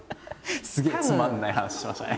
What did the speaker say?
すげえつまんない話しましたね